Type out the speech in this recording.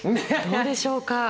どうでしょうか。